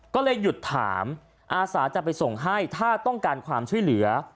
ก็เลยหยุดถามอาสาจะไปส่งให้ถ้าต้องการความช่วยเหลือ